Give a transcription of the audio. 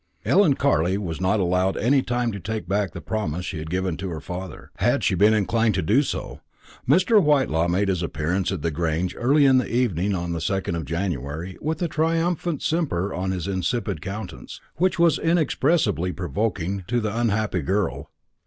Ellen Carley was not allowed any time to take back the promise given to her father, had she been inclined to do so. Mr. Whitelaw made his appearance at the Grange early in the evening of the 2nd of January, with a triumphant simper upon his insipid countenance, which was inexpressibly provoking to the unhappy girl.